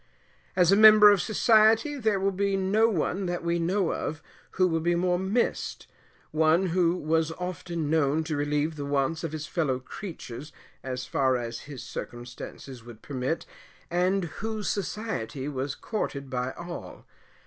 As a member of society, there will be no one that we know of who will be more missed; one who was often known to relieve the wants of his fellow creatures as far as his circumstances would permit, and whose society was courted by all.